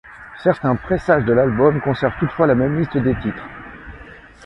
Certains pressages de l'album conservent toutefois la même liste des titres.